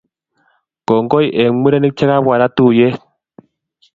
kongoi en murenik che kapwa raa tuyet .